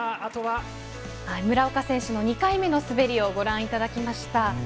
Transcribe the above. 村岡選手の２回目の滑りをご覧いただきました。